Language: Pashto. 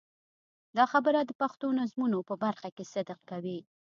دا خبره د پښتو نظمونو په برخه کې صدق کوي.